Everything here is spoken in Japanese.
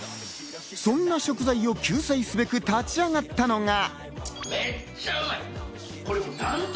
そんな食材を救済すべく立ち上がったのが。